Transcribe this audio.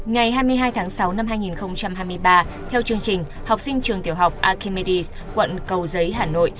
ngày hai mươi hai tháng sáu năm hai nghìn hai mươi ba theo chương trình học sinh trường tiểu học akimedi quận cầu giấy hà nội